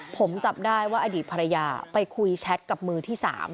ผมจับได้ว่าอดีตภรรยาไปคุยแชทกับมือที่๓